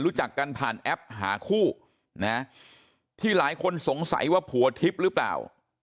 รู้จักกันผ่านแอปหาคู่นะที่หลายคนสงสัยว่าผัวทิพย์หรือเปล่า